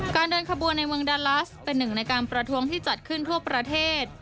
เดินขบวนในเมืองดาลัสเป็นหนึ่งในการประท้วงที่จัดขึ้นทั่วประเทศ